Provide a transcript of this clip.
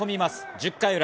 １０回裏。